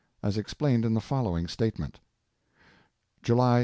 as explained in the following statement : "July 31.